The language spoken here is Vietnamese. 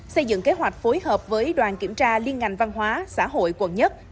xây dựng kế hoạch phối hợp với đoàn kiểm tra liên ngành văn hóa xã hội quận một